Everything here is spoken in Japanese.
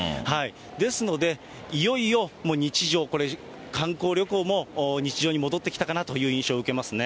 ですので、いよいよもう日常、観光旅行も日常に戻ってきたかなという印象を受けますね。